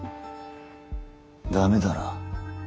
駄目だな。